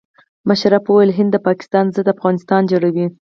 مشرف وویل هند د پاکستان ضد افغانستان جوړوي.